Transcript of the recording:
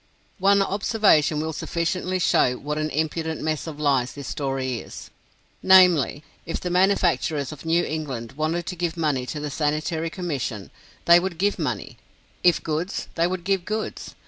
One observation will sufficiently show what an impudent mess of lies this story is, namely; If the manufacturers of New England wanted to give money to the Sanitary Commission, they would give money; if goods, they would give goods.